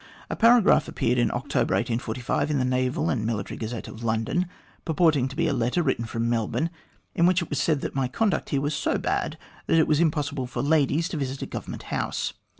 "A paragraph appeared in October 1845, in the Naval and Military Gazette of London, purporting to be a letter written from Melbourne, in which it was said that my conduct here was so bad that it was impossible for ladies to visit at Government House.